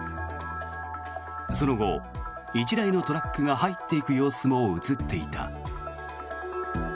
その後、１台のトラックが入っていく様子も映っていた。